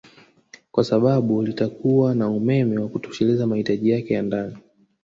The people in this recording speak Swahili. kwa sababu litakuwa na umeme wa kutosheleza mahitaji yake ya ndani